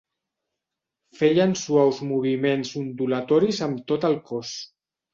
Feien suaus moviments ondulatoris amb tot el cos.